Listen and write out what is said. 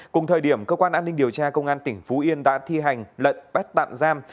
cùng thời điểm cơ quan an ninh điều tra công an tỉnh phú yên đã thi hành lệnh bắt tạm giam